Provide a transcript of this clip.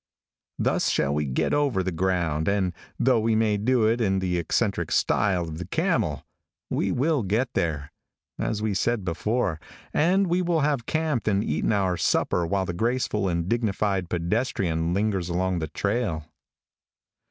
Thus shall we get over the ground, and though we may do it in the eccentric style of the camel, we will get there, as we said before, and we will have camped and eaten our supper while the graceful and dignified pedestrian lingers along the trail.